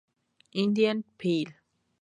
Indian Pl.